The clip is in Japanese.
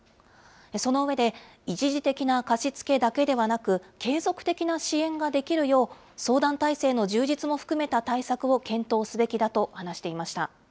その上で、一時的な貸し付けだけではなく、継続的な支援ができるよう相談体制の充実も含めた対策を検討すべきだと話していました。